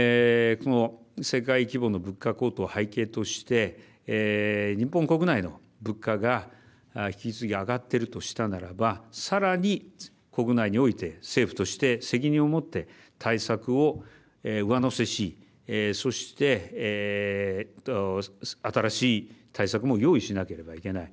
世界規模の物価高騰を背景として日本国内の物価が引き続き上がっているとしたならばさらに国内において政府として責任を持って対策を上乗せしそして、新しい対策も用意しなければいけない